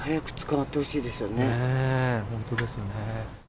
本当ですよね。